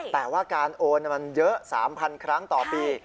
แต่ว่าการโอนมันเยอะ๓๐๐ครั้งต่อปี